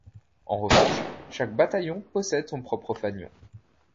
En revanche chaque bataillon possède son propre fanion.